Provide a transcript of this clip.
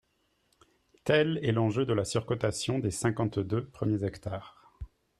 Tel est l’enjeu de la surcotation des cinquante-deux premiers hectares